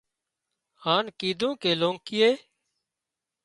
هانَ ڪيڌون ڪي لونڪي